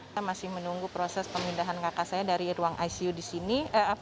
saya masih menunggu proses pemindahan kakak saya dari ruang icu di sini